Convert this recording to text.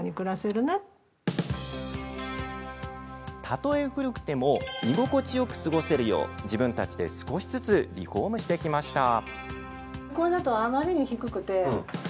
たとえ古くても居心地よく過ごせるよう自分たちで少しずつリフォームしてきました。